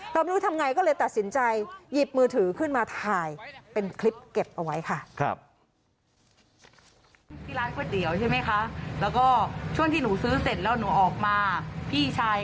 ไม่รู้ทำไงก็เลยตัดสินใจหยิบมือถือขึ้นมาถ่ายเป็นคลิปเก็บเอาไว้ค่ะ